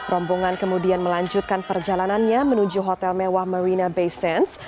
rombongan kemudian melanjutkan perjalanannya menuju hotel mewah marina base